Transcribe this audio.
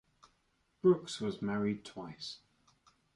Brooks was married twice.